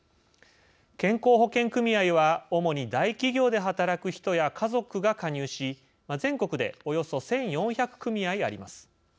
健康保険組合は主に大企業で働く人や家族が加入し、全国でおよそ１４００組合あります。